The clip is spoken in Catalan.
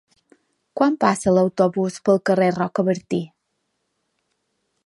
Quan passa l'autobús pel carrer Rocabertí?